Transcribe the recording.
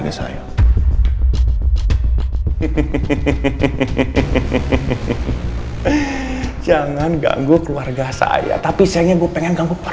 ada yang ingin bertemu dengan anda